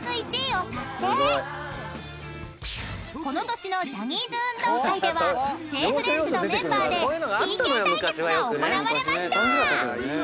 ［この年のジャニーズ運動会ではＪ−ＦＲＩＥＮＤＳのメンバーでＰＫ対決が行われました］